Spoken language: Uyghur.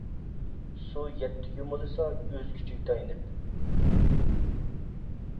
سۇ يەتتە يۇمىلىسا ئۆز كۈچىگە تايىنىپ.